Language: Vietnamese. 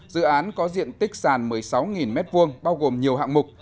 dự án có diện tích sàn một mươi sáu m hai bao gồm nhiều hạng mục